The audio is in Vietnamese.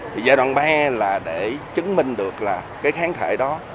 thì giai đoạn ba là để chứng minh được là cái kháng thể đó